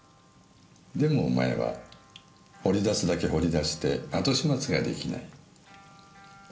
でもお前は掘り出すだけ掘り出して後始末ができない。